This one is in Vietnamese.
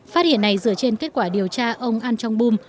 phát hiện này dựa trên kết quả điều tra ông an chong bum